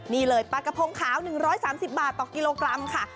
นี่เลยปลากระพงขาว๑๓๐บาทต่อกิโลกรัมค่ะ